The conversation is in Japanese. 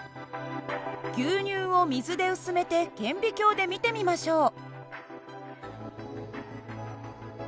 牛乳を水で薄めて顕微鏡で見てみましょう。